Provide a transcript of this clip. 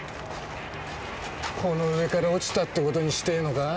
この上から落ちたって事にしてえのか？